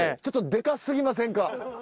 ちょっとでかすぎませんか？